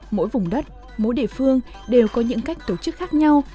mỗi vùng đất mỗi địa phương đều có những cách tổ chức khác nhau